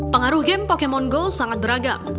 pengaruh game pokemon go sangat beragam